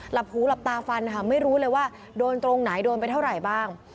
หลับหูหลับตาฟันค่ะไม่รู้เลยว่าโดนตรงไหนโดนไปเท่าไหร่บ้าง